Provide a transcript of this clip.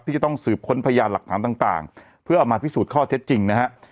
ที่จะต้องสืบค้นพยานหลักฐานต่างเพื่อเอามาพิสูจน์ข้อเท็จจริงนะฮะ